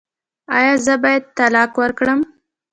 ایا زه باید طلاق ورکړم؟